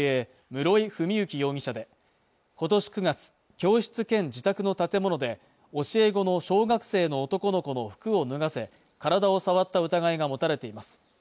室井史行容疑者で今年９月教室兼自宅の建物で教え子の小学生の男の子の服を脱がせ体を触った疑いが持たれています